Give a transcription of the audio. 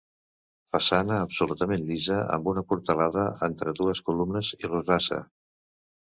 Façana absolutament llisa amb una portalada entre dues columnes i rosassa.